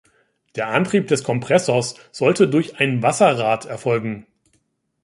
Der Antrieb des Kompressors sollte durch ein Wasserrad erfolgen.